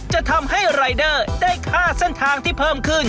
จะทำให้รายเดอร์ได้ค่าเส้นทางที่เพิ่มขึ้น